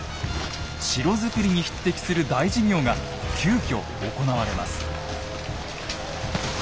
城造りに匹敵する大事業が急きょ行われます。